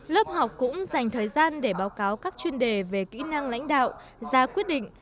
lớp học cũng dành thời gian để báo cáo các chuyên đề về kỹ năng lãnh đạo ra quyết định